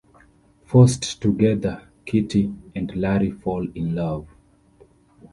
Forced together, Kitty and Larry fall in love.